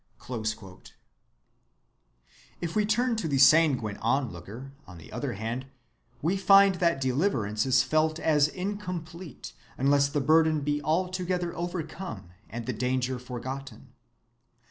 (30) If we turn to the sanguine onlooker, on the other hand, we find that deliverance is felt as incomplete unless the burden be altogether overcome and the danger forgotten.